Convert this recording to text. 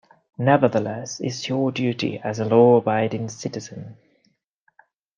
Nevertheless, it’s your duty, as a law-abiding citizen.